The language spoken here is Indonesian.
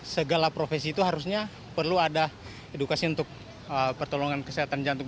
segala profesi itu harusnya perlu ada edukasi untuk pertolongan kesehatan jantung